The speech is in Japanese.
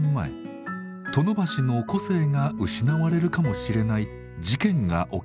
殿橋の個性が失われるかもしれない「事件」が起きたのです。